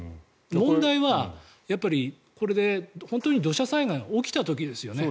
問題は、これで本当に土砂災害が起きた時ですよね。